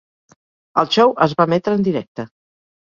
El show es va emetre en directe.